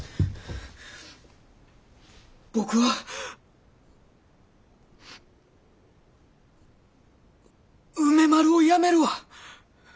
僕は梅丸をやめるわ。